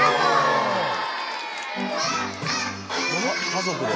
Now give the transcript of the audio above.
家族で。